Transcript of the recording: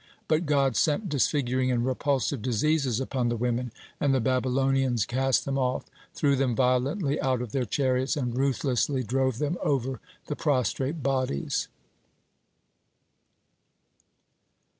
But God sent disfiguring and repulsive diseases upon the women, and the Babylonians cast them off, threw them violently out of their chariots, and ruthlessly drove them over the prostrate bodies.